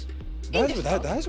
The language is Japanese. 大丈夫？